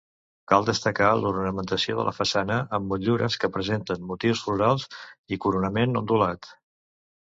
Cal destacar l'ornamentació de la façana, amb motllures que representen motius florals i coronament ondulat.